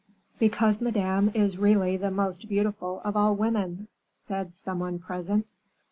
"Because madame is really the most beautiful of all women," said some one present.